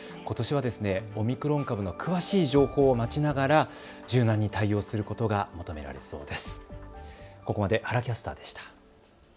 ことしはオミクロン株の詳しい情報を待ちながら柔軟に対応することが求められそうです。